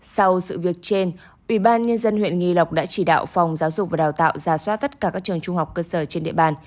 sau sự việc trên ubnd huyện nghi lộc đã chỉ đạo phòng giáo dục và đào tạo giả soát tất cả các trường trung học cơ sở trên địa bàn